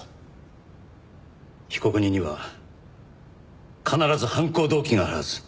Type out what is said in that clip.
被告人には必ず犯行動機があるはず。